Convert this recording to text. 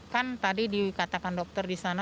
kan tadi dikatakan dokter di sana